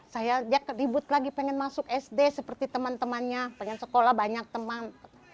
saya dia ribut lagi pengen masuk sd seperti teman temannya pengen sekolah banyak teman